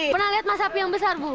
pernah lihat masapi yang besar bu